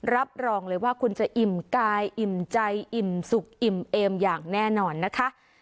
รับรองเลยว่าคุณจะอิ่มกายอิ่มใจอิ่มสุขอิ่มเอมอย่างแน่นอนนะคะ